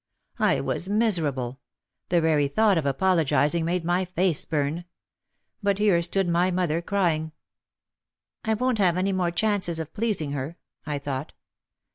I was miserable. The very thought of apologising made my face burn. But here stood mother crying. "I won't have many more chances of pleasing her," I thought.